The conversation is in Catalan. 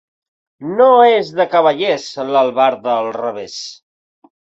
No és de cavallers l'albarda al revés.